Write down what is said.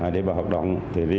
để vào hoạt động